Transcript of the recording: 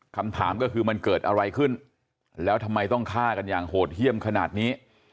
คำถามก็คือมันเกิดอะไรขึ้นแล้วทำไมต้องฆ่ากันอย่างโหดเยี่ยมขนาดนี้